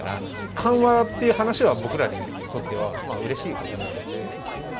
緩和っていう話は、僕らにとってはうれしいことなので。